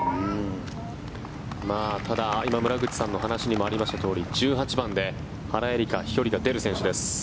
ただ、今、村口さんの話にもありましたとおり１８番で、原英莉花飛距離が出る選手です。